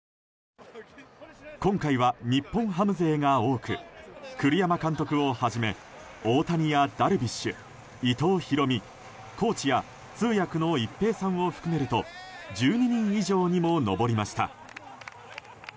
今回は、日本ハム勢が多く栗山監督をはじめ大谷やダルビッシュ伊藤大海やコーチや通訳の一平さんを含めると１２人以上にも上りました。